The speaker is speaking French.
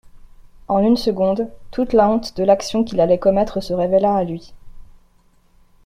En une seconde, toute la honte de l'action qu'il allait commettre se révéla à lui.